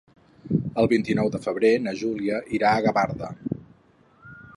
El vint-i-nou de febrer na Júlia irà a Gavarda.